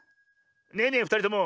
ねえねえふたりとも。